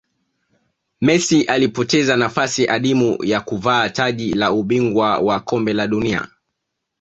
messi alipoteza nafasi adimu ya kuvaa taji la ubingwa wa kombe la dunia